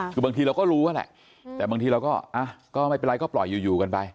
คือบางทีเราก็รู้ว่าแหละแต่บางทีเราก็ไม่เป็นไรก็ปล่อยอยู่กันไป